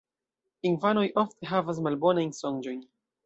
Infanoj ofte havas malbonajn sonĝojn.